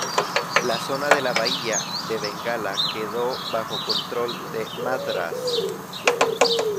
La zona de la bahía de Bengala quedó bajo control de Madrás.